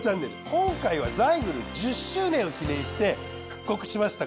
今回はザイグル１０周年を記念して復刻しました